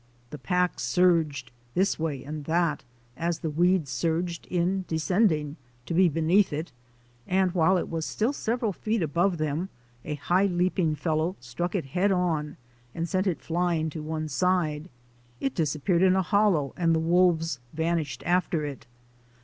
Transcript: The pack surged this way and that, as the weed surged in descending, to be beneath it; and while it was still several feet above them a high leaping fellow struck it head on and sent it flying to one side. It disappeared in a hol low and the wolves vanished after it.